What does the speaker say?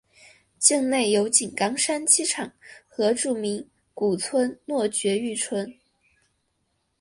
境内有井冈山机场和著名古村落爵誉村。